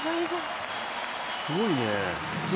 すごいね。